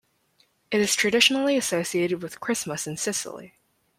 It is traditionally associated with Christmas in Sicily.